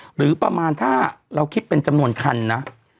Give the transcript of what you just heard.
หรือประมาณถ้าเราคิดเป็นจำนวนคันนะ